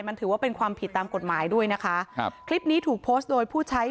มันถือว่าเป็นความผิดตามกฎหมายด้วยนะคะครับคลิปนี้ถูกโพสต์โดยผู้ใช้